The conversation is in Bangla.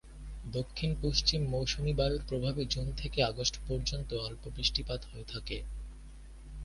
দক্ষিণপশ্চিম মৌসুমী বায়ুর প্রভাবে জুন থেকে আগস্ট পর্যন্ত অল্প বৃষ্টিপাত হয়ে থাকে।